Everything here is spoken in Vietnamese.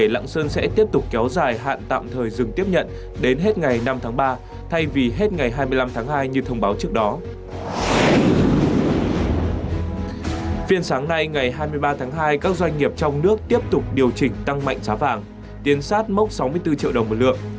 điều chỉnh tăng mạnh giá vàng tiền sát mốc sáu mươi bốn triệu đồng một lượng